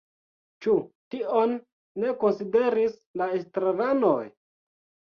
Ĉu tion ne konsideris la estraranoj?